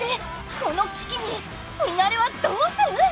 この危機にミナレはどうする！？